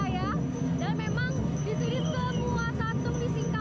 dan ini seperti lautan manusia